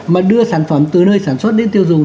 mà đưa sản phẩm từ nơi sản xuất đến tiêu dùng